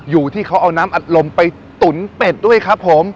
อยู่ที่เขาเอาน้ำอัดลมไปตุ๋นเป็ดด้วยครับผม